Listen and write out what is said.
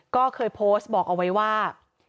ก็เคยโพสต์บอกเอาไว้ว่า